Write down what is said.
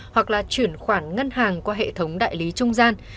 hoặc là chuyển khoản ngân hàng qua hệ thống đại lý trung gian